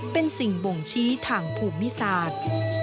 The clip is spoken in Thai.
เป็นสิ่งบ่งชี้ทางภูมิศาสตร์